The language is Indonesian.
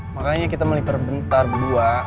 makanya kita melipar bentar berdua